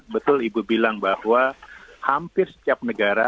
betul ibu bilang bahwa hampir setiap negara